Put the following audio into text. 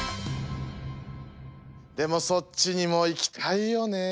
でもそっちにも行きたいよね。